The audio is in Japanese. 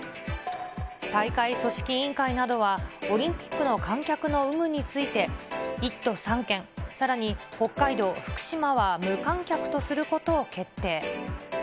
大会組織委員会などは、オリンピックの観客の有無について、１都３県、さらに北海道、福島は無観客とすることを決定。